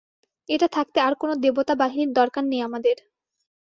এটা থাকতে আর কোনো দেবতাবাহিনীর দরকার নেই আমাদের।